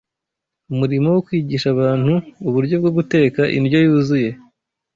Umurimo wo kwigisha abantu uburyo bwo guteka indyo yuzuye